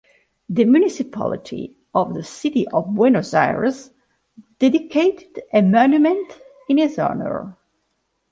The municipality of the City of Buenos Aires dedicated a monument in his honor.